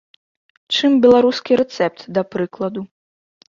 Чым беларускі рэцэпт, да прыкладу.